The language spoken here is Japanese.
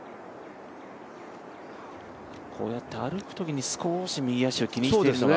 こうやって歩くときに少し右足を気にしてるのが。